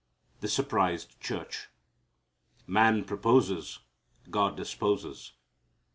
The Surprised Church. Man proposes. God disposes.